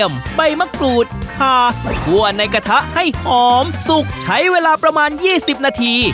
ใบมะกรูดคาคั่วในกระทะให้หอมสุกใช้เวลาประมาณ๒๐นาที